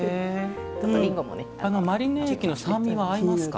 マリネ液の酸味は合いますか。